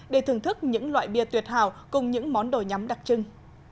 để thưởng thức những loại bia tuyệt hào cùng những món đồ nhắm đặc trưng